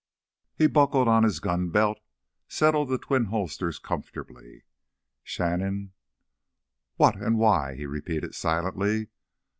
He buckled on his gun belt, settled the twin holsters comfortably. Shannon—what and why, he repeated silently.